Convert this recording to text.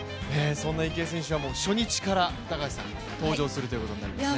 そんな池江選手は初日から登場するということになりますね。